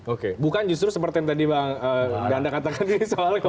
oke bukan justru seperti yang tadi bang ganda katakan